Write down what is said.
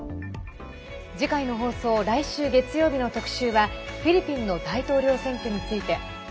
次回の放送、来週月曜日の特集はフィリピンの大統領選挙について。